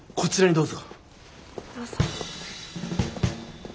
どうぞ。